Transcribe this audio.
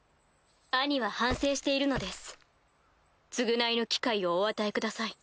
兄は反省しているのです償いの機会をお与えください。